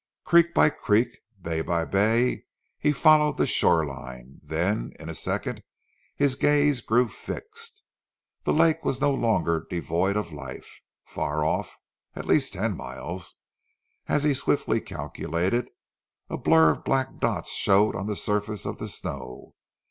Creek by creek, bay by bay, he followed the shore line, then, in a second, his gaze grew fixed. The lake was no longer devoid of life. Far off, at least ten miles, as he swiftly calculated, a blur of black dots showed on the surface of the snow.